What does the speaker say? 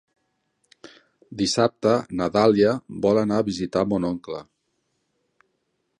Dissabte na Dàlia vol anar a visitar mon oncle.